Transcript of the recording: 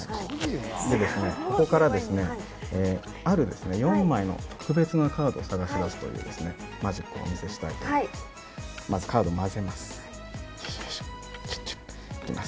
ここからですね、ある４枚の特別なカードを探し出すというマジックをお見せしたいと思います。